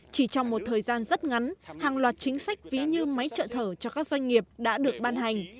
chỉ trong một thời gian rất ngắn hàng loạt chính sách ví như máy trợ thở cho các doanh nghiệp đã được ban hành